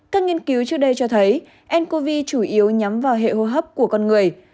các nghiên cứu trước đây cho thấy ncov chủ yếu nhắm vào hệ hô hấp của con người